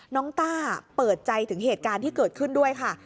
ต้าเปิดใจถึงเหตุการณ์ที่เกิดขึ้นด้วยค่ะ